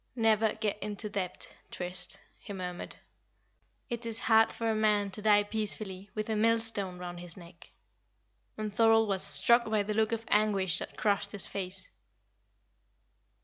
"Never get into debt, Trist," he murmured. "It is hard for a man to die peacefully with a millstone round his neck." And Thorold was struck by the look of anguish that crossed his face.